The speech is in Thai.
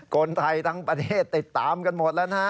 คนไทยทั้งประเทศติดตามกันหมดแล้วนะฮะ